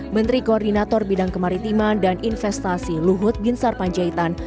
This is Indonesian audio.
menteri koordinator bidang kemaritiman dan investasi luhut bin sarpanjaitan